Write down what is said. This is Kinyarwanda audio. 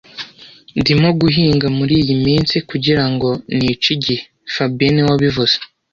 Ndimo guhinga muriyi minsi kugirango nice igihe fabien niwe wabivuze